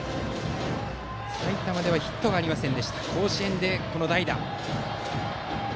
埼玉ではヒットがありませんでしたが甲子園で代打。